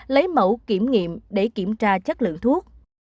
lấy mẫu kiểm nghiệm để kiểm tra chất lượng thuốc